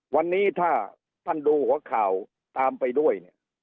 วันนี้ถ้าท่านดูหัวข่าวตามไปด้วยเนี่ย